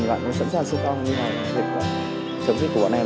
bạn cũng sẵn sàng xuống con nhưng mà dịch và chống dịch của bọn em